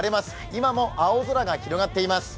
今も青空が広がっています。